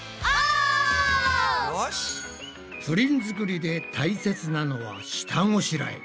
プリン作りで大切なのは下ごしらえ。